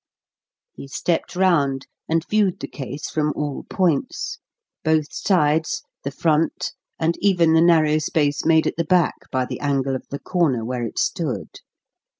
He stepped round and viewed the case from all points both sides, the front, and even the narrow space made at the back by the angle of the corner where it stood.